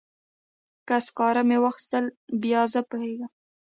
که سکاره مې واخیستل بیا زه پوهیږم.